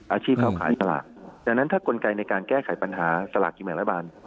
อาชีพเขาขายสลากดังนั้นถ้ากลไกในการแก้ไขปัญหาสลากกินแบ่งรัฐบาล